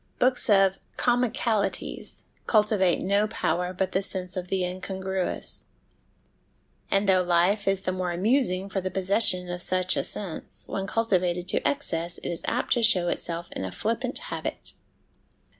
Books of ' comicalities ' cultivate no power but the sense of the incongruous ; and though life is the more amusing for the possession of such a sense, when cultivated to excess it is apt to show itself in a flippant habit.